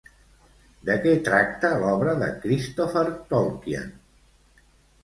De què tracta l'obra de Christopher Tolkien?